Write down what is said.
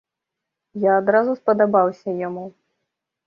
Я адразу спадабаўся яму.